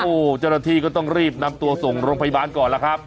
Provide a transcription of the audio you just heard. โอ้จรฐีก็ต้องรีบนำตัวส่งลงพยาบาลก่อนล่ะครับ